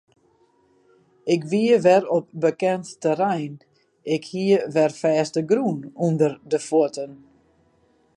Ik wie wer op bekend terrein, ik hie wer fêstegrûn ûnder de fuotten.